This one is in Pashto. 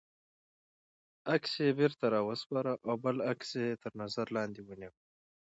عکس یې بېرته را و سپاره او بل عکس یې تر نظر لاندې ونیوه.